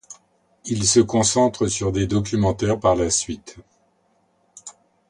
Il se concentre sur des documentaires par la suite.